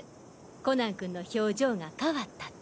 コナン君の表情が変わったって。